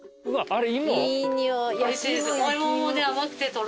うわっ。